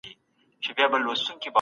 اول وطن ګټل مهم دي